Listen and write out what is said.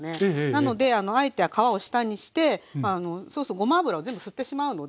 なのであえて皮を下にしてそうそうごま油を全部吸ってしまうので。